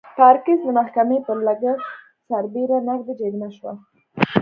پارکس د محکمې پر لګښت سربېره نغدي جریمه شوه.